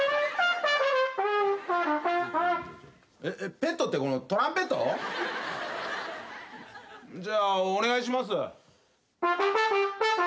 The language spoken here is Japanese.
ペットってこのトランペット？じゃあお願いします。